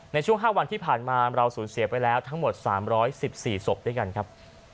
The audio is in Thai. ในช่วง๕วันที่ผ่านมาเราสูญเสียไปแล้วทั้งหมด๓๑๔ศพด้วยกันครับ